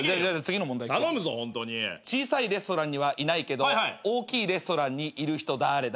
小さいレストランにはいないけど大きいレストランにいる人だれだ？